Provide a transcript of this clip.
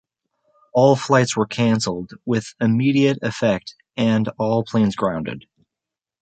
All flights were cancelled with immediate effect and all planes grounded.